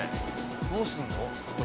どうするの？